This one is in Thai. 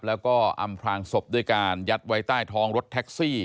แล้วก็อำพลางศพด้วยการยัดไว้ใต้ท้องรถแท็กซี่